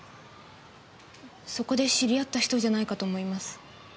そこで知り合った人じゃないかと思います。